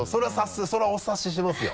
それはお察ししますよ